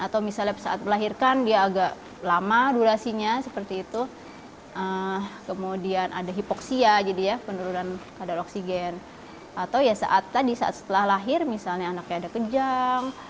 atau ya saat tadi saat setelah lahir misalnya anaknya ada kejang